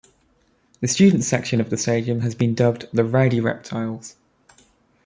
The student section of the stadium has been dubbed the Rowdy Reptiles.